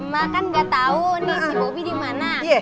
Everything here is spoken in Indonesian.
mak kan gak tau si bobby dimana